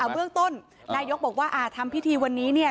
เวิ่งต้นนายกรัฐมนตรีบอกว่าทำพิธีวันนี้